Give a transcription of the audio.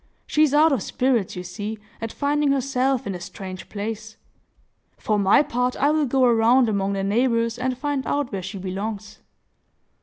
She is out of spirits, you see, at finding herself in a strange place. For my part, I will go around among the neighbors, and find out where she belongs."